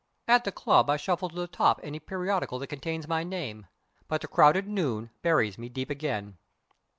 At the club I shuffle to the top any periodical that contains my name, but the crowded noon buries me deep again.